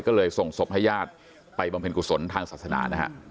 ก็เลยส่งศพให้ญาติไปบำเพ็ญกุศลทางศาสนานะฮะ